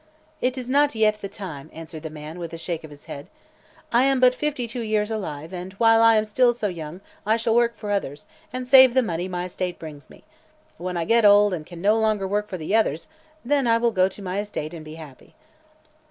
"It is not yet the time," answered the man, with a shake of his head. "I am but fifty two years alive, and while I am still so young I shall work for others, and save the money my estate brings me. When I get old and can no longer work for the others, then I will go to my estate an' be happy."